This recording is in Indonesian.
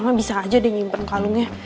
oh mama bisa aja deh nyimpen kalungnya